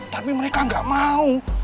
tapi mereka gak mau